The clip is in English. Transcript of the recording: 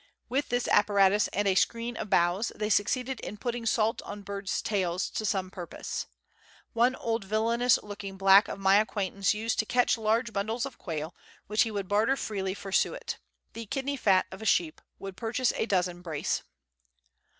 With this apparatus and a screen of boughs, they succeeded in putting salt on birds' tails to some purpose. One old villainous looking black of my acquaintance used to catch large bundles of quail, which he would barter freely for suet. The kidney fat of a sheep would purchase a dozen brace.